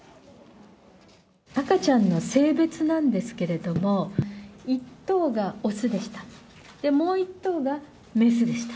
赤ちゃんの性別なんですけれども、１頭が雄でした。